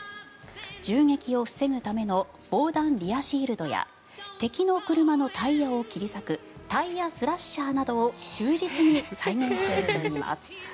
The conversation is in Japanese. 銃撃を防ぐための防弾リアシールドや敵の車のタイヤを切り裂くタイヤスラッシャーなどを忠実に再現しているといいます。